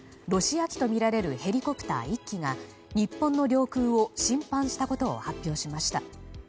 ロシア機とみられるヘリコプター１機が日本の領空を侵犯したことを発表しました。